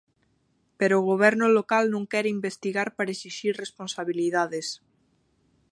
Pero o Goberno local non quere investigar para esixir responsabilidades.